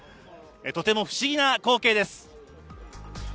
とても不思議な光景です。